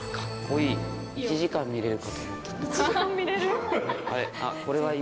１時間見れる？